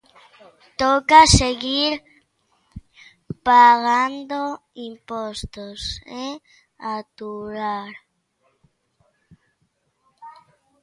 Toca seguir pagando impostos e aturar.